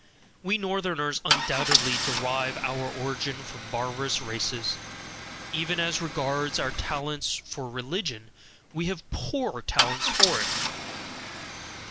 We Northerners undoubtedly derive our origin from barbarous races, even as regards our talents for religion we have POOR talents for it.